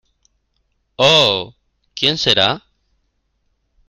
¡ oh!... ¿ quién será?